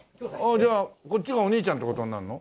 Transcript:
じゃあこっちがお兄ちゃんって事になるの？